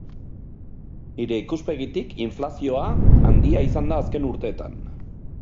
Nire ikuspegitik inflazioa handia izan da azken urtetan.